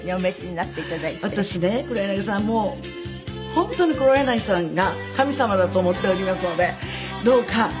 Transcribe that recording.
もう本当に黒柳さんが神様だと思っておりますので。